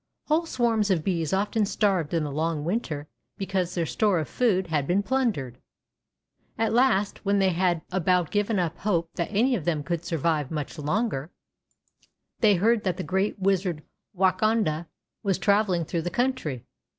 Whole swarms of bees often starved in the long winter because their store of food had been plundered. At last, when they had about given up hope that any of them could survive much longer. 164 Fairy Tale Bears they heard that the great wizard Wakonda was traveling through the country.